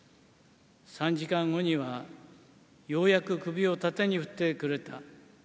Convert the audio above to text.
３時間後には、ようやく首を縦に振ってくれた。